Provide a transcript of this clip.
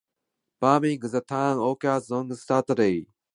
"Bawming the Thorn" occurs on the Saturday nearest to Midsummer's Day.